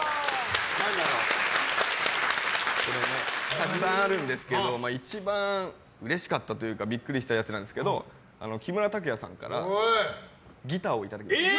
たくさんあるんですけど一番うれしかったというかビックリしたやつなんですけど木村拓哉さんからギターをいただきました。